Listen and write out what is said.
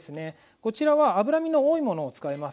こちらは脂身の多いものを使います。